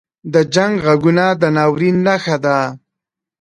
• د جنګ ږغونه د ناورین نښه ده.